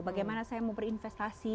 bagaimana saya mau berinvestasi